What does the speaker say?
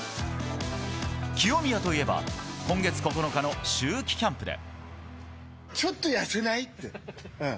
清宮といえば今月９日の秋季キャンプで。